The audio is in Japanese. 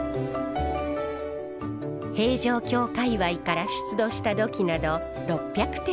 平城京界わいから出土した土器など６００点を展示。